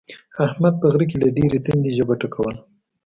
احمد په غره کې له ډېرې تندې ژبه ټکوله.